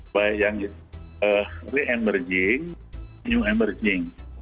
baik yang re emerging new emerging